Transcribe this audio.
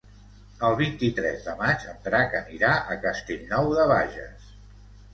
El vint-i-tres de maig en Drac anirà a Castellnou de Bages.